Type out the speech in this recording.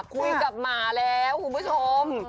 คุยกับหมาแล้วคุณผู้ชม